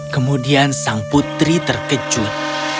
kemudian sang putri terkejut